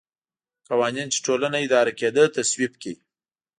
قوانین چې ټولنه اداره کېده تصویب کړي.